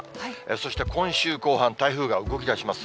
そして今週後半、台風が動きだします。